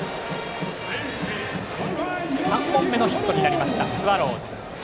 ３本目のヒットになりましたスワローズ。